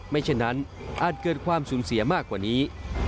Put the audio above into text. เช่นนั้นอาจเกิดความสูญเสียมากกว่านี้